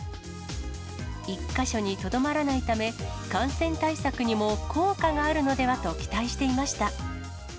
１か所にとどまらないため、感染対策にも効果があるのではと期待していました。